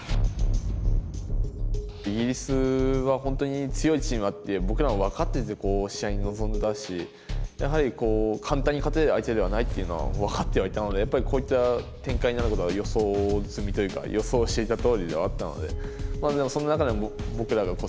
イギリスは本当に強いチームだって僕らも分かっていて試合に臨んだしやはりこう簡単に勝てる相手ではないっていうのは分かってはいたのでやっぱりこういった展開になることは予想済みというか予想していたとおりではあったので。